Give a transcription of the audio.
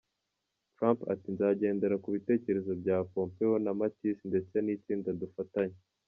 Trump ati” Nzagendera ku bitekerezo bya Pompeo na Mattis ndetse n’itsinda dufatanya.